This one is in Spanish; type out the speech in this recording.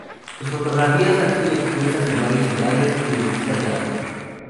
Sus fotografías han sido expuestas en varias ciudades, y en revistas de arte.